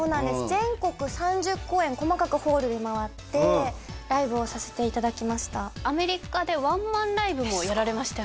全国３０公演細かくホールで回ってライブをさせていただきました